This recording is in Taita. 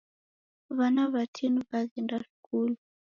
W'ana w'atini w'aghenda skulu.